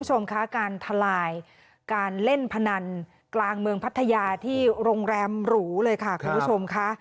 คุณผู้ชมคะการทลายการเล่นพนันกลางเมืองพัทยาที่โรงแรมหรูเลยค่ะคุณผู้ชมค่ะ